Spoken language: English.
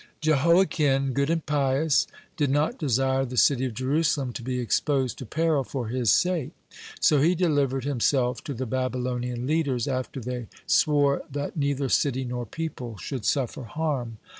(130) Jehoiachin, good and pious, did not desire the city of Jerusalem to be exposed to peril for his sake. So he delivered himself to the Babylonian leaders, after they swore that neither city nor people should suffer harm.